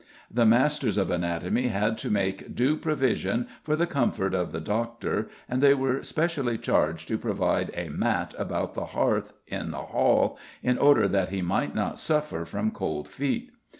The masters of anatomy had to make due provision for the comfort of the "Dr.," and they were specially charged to provide a "matte about the harthe in the hall," in order that he might not suffer from cold feet.